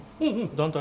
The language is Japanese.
団体？